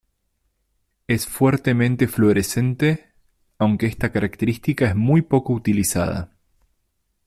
Es fuertemente ﬂuorescente, aunque esta característica es muy poco utilizada.